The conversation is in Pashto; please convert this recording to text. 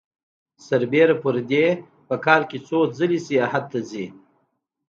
سربېره پر دې په کال کې څو ځلې سیاحت ته ځي